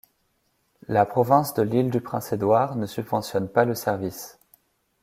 La province de l'Île-du-Prince-Édouard ne subventionne pas le service.